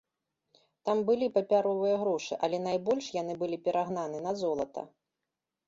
Там былі папяровыя грошы, але найбольш яны былі перагнаны на золата.